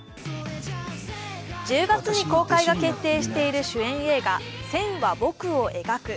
１０月に公開が決定している主演映画、「線は、僕を描く」。